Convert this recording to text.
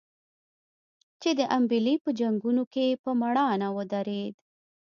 چې د امبېلې په جنګونو کې په مړانه ودرېد.